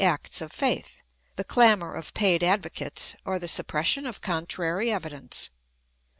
189 ' acts of faith,' the clamour of paid advocates, or the suppression of contrary evidence.